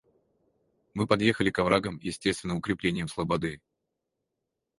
Мы подъехали к оврагам, естественным укреплениям слободы.